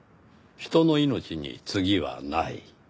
人の命に次はない。